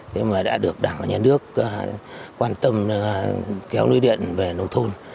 thế mà đã được đảng và nhà nước quan tâm kéo lưới điện về nông thôn